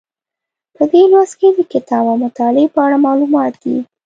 په دې لوست کې د کتاب او مطالعې په اړه معلومات دي.